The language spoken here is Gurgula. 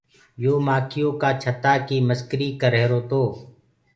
يو مآکيو ڪآ ڇتآ ڪي مسڪري ڪر رهيرو تو۔